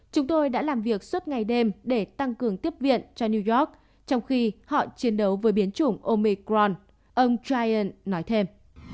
chúng tôi đã làm việc suốt ngày đêm để tăng cường tiếp viện cho new york trong khi họ chiến đấu với biến chủng omicron ông chian nói thêm